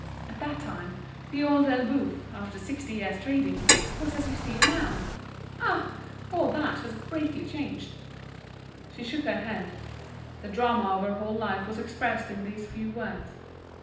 At that time The Old Elbeuf, after sixty years' trading, was as you see it now. Ah! all that has greatly changed!" She shook her head; the drama of her whole life was expressed in these few words.